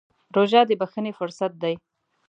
روژه د بښنې فرصت دی.